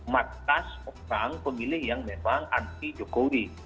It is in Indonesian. matkas pemilih yang memang anti jokowi